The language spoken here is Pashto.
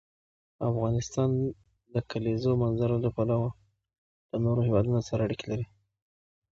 افغانستان د د کلیزو منظره له پلوه له نورو هېوادونو سره اړیکې لري.